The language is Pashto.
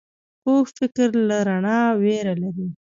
کوږ فکر له رڼا ویره لري